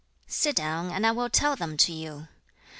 2. 'Sit down, and I will tell them to you.